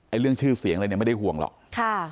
เรื่องชื่อเสียงอะไรเนี่ยไม่ได้ห่วงหรอกค่ะ